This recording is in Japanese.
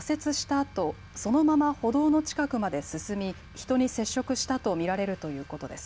あとそのまま歩道の近くまで進み人に接触したと見られるということです。